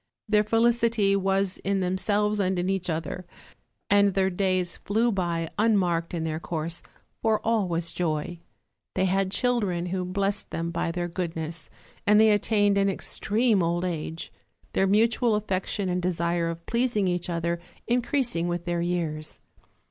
Their felicity was in themselves and in each other, and their days flew by unmarked in their course, for all was joy. They had children, who blessed them by their good ness, and they attained an extreme old age: their mutual affection and desire of pleasing each other increasing with their years.